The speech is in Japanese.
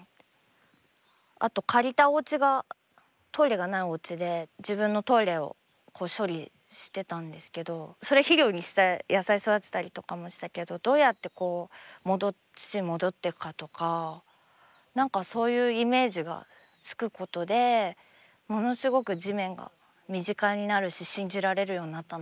あと借りたおうちがトイレがないおうちで自分のトイレを処理してたんですけどそれ肥料にして野菜育てたりとかもしたけどどうやってこう土に戻っていくかとか何かそういうイメージがつくことでものすごく地面が身近になるし信じられるようになったなあと思って。